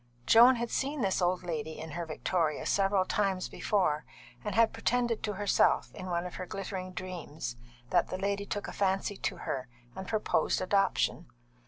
Joan had seen this old lady in her victoria several times before, and had pretended to herself, in one of her glittering dreams, that the lady took a fancy to her and proposed adoption.